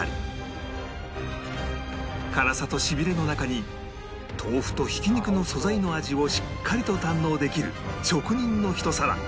辛さとしびれの中に豆腐とひき肉の素材の味をしっかりと堪能できる職人のひと皿